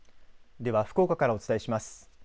では、福岡からお伝えします。